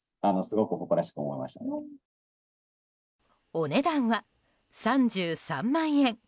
お値段は３３万円。